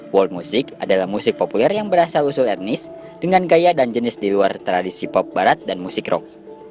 world music adalah musik populer yang berasal usul etnis dengan gaya dan jenis di luar tradisi pop barat dan musik rock